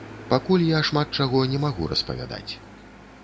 Пакуль я шмат чаго не магу распавядаць.